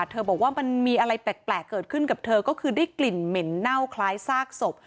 บอกว่ามันมีอะไรแปลกเกิดขึ้นกับเธอก็คือได้กลิ่นเหม็นเน่าคล้ายซากศพ